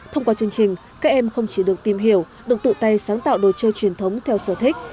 thông qua chương trình các em không chỉ được tìm hiểu được tự tay sáng tạo đồ chơi truyền thống theo sở thích